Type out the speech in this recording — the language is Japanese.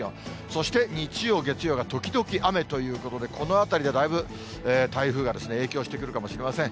そして日曜、月曜が時々雨ということで、このあたりでだいぶ、台風が影響してくるかもしれません。